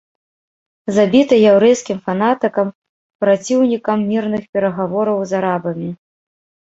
Забіты яўрэйскім фанатыкам, праціўнікам мірных перагавораў з арабамі.